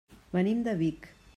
Venim de Vic.